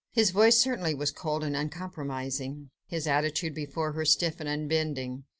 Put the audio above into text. His voice certainly was cold and uncompromising: his attitude before her, stiff and unbending.